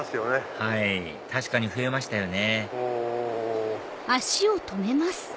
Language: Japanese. はい確かに増えましたよね